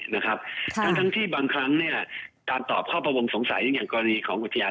นะครับทั้งที่บางครั้งการตอบข้อประวงสงสัยอย่างกรณีของเมียหญิง